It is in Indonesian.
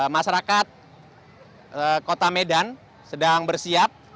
masyarakat kota medan sedang bersiap